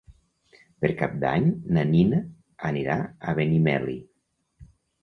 Per Cap d'Any na Nina anirà a Benimeli.